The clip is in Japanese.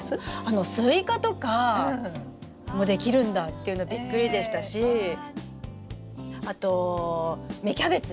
スイカとかもできるんだっていうのはびっくりでしたしあと芽キャベツ？